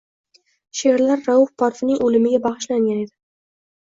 She’rlar Rauf Parfining o’limiga bag’ishlangan edi.